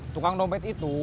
tukang dompet itu